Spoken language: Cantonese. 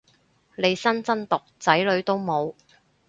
利申真毒仔女都冇